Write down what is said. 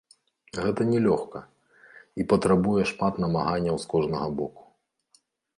Гэта не лёгка, і патрабуе шмат намаганняў з кожнага боку.